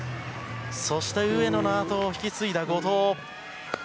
そして上野のあとを引き継いだ後藤。